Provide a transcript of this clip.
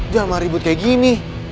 jangan ribut kayak gini